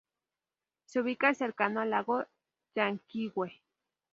Se ubica cercano al Lago Llanquihue.